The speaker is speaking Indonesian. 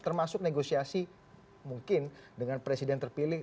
termasuk negosiasi mungkin dengan presiden terpilih